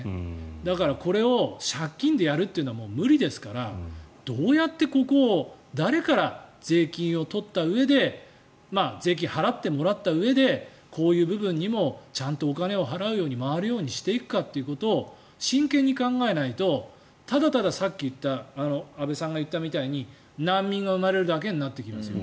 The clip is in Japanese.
だから、これを借金でやるというのはもう無理ですからどうやってここを誰から税金を取ったうえで税金を払ってもらったうえでこういう部分にもちゃんとお金を払うように回るようにしていくかということを真剣に考えないとただただ、さっき安部さんが言ったみたいに難民が生まれるだけになってきますよ。